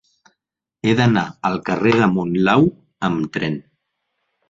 He d'anar al carrer de Monlau amb tren.